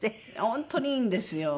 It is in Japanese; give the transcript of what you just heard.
本当にいいんですよ。